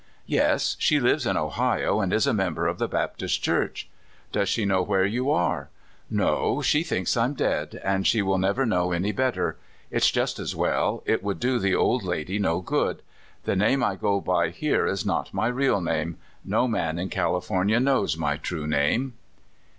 *' Yes; she lives in Ohio, and is a member of the Baptist Church." " Does she know where you are? "'' No; she thinks I'm dead, and she will never know any better. It's just as well — it would do the old lady no good. The name I go by here is not my real name — no man in California knows my true name."